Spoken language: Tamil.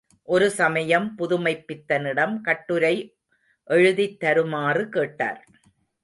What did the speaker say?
ஒரு சமயம் புதுமைப்பித்தனிடம் கட்டுரை எழுதித் தருமாறு கேட்டார்.